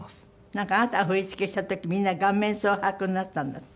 なんかあなたが振り付けした時みんな顔面蒼白になったんだって？